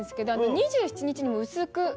２７日にも薄く。